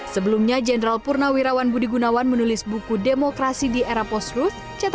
sebelumnya jenderal purnawirawan budi gunawan menulis buku demokrasi di era postrust